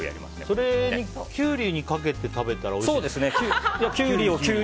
それをキュウリにかけて食べたらおいしいですね。